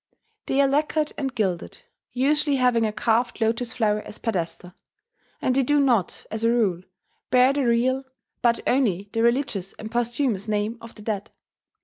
They are lacquered and gilded, usually having a carved lotos flower as pedestal; and they do not, as a rule, bear the real, but only the religious and posthumous name of the dead.